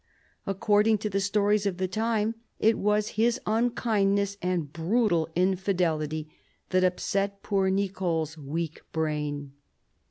According to the stories of the time, it was his un kindness and brutal infidelity that upset poor Nicole's weak brain.